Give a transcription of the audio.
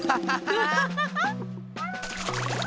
ウハハハ！